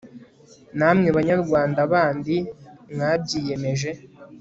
namwe banyarwanda bandi mwabyiyemeje